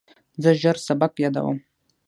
زه ژر سبق یادوم.